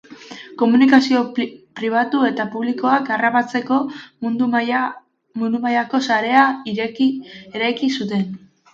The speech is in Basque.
Komunikazio pribatu eta publikoak harrapatzeko mundu mailako sarea eraiki zuten.